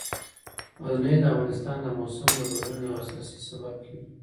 غزني د افغانستان د موسم د بدلون یو اساسي سبب کېږي.